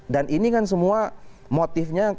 dan ini kan semua motifnya